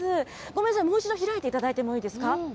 ごめんなさい、もう一度、開いていただいてもいいですか？